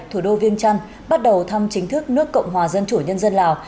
thủ đô viên trăn bắt đầu thăm chính thức nước cộng hòa dân chủ nhân dân lào